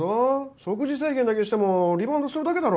食事制限だけしてもリバウンドするだけだろ。